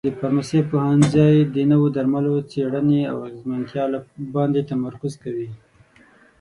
د فارمسي پوهنځی د نوو درملو څېړنې او اغیزمنتیا باندې تمرکز کوي.